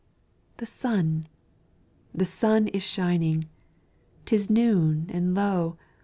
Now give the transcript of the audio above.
the sun, the sun is shining! 'Tis noon, and lo!